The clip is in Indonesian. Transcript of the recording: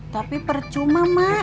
tapi percuma mak